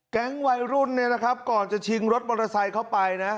แก๊งวัยรุ่นเนี่ยนะครับก่อนจะชิงรถมอเตอร์ไซค์เข้าไปนะ